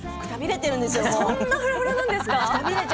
そんなにふらふらなんですか。